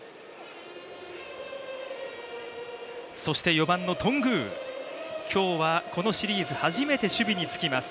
４番の頓宮、今日はこのシリーズ初めて守備につきます。